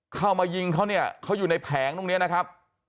เข้ามายิงเขาเนี่ยเขาอยู่ในแผงตรงนี้นะครับ